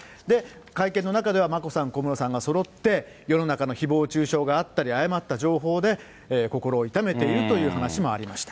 会見の中では、眞子さん、小室さんがそろって、世の中のひぼう中傷があったり、誤った情報で心を痛めているという話もありました。